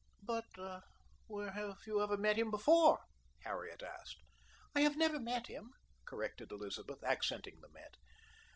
"But where have you ever met him before?" Harriet asked. "I have never met him," corrected Elizabeth, accenting the "met."